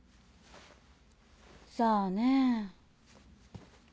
さあねぇ。